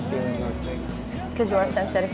karena anda adalah orang yang sensitif